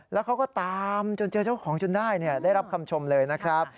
แล้วเขาก็ตามจนเจอเจ้าของจนได้ได้รับคำชมเลยนะครับ